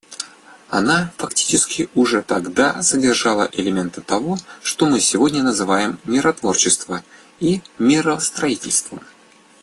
Она фактически уже тогда содержала элементы того, что мы сегодня называем «миротворчеством» и «миростроительством».